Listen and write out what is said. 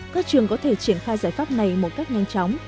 các trường có thể triển khai giải pháp này một cách nhanh chóng